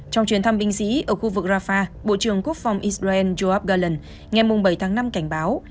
trong chuyến thăm binh sĩ ở khu vực rafah bộ trưởng quốc phòng israel joab galan ngày bảy tháng năm cảnh báo